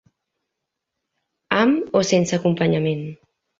amb o sense acompanyament